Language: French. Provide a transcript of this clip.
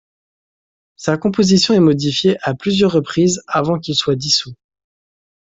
Sa composition est modifiée à plusieurs reprises avant qu'il soit dissous.